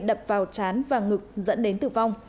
đập vào trán và ngực dẫn đến tử vong